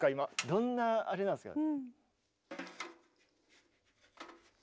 どんなあれなんですか？